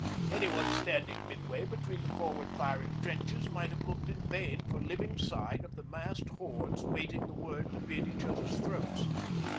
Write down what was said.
Anyone standing midway between the forward firing trenches might have looked in vain for living sign of the massed hordes waiting the word to be at each other's throats.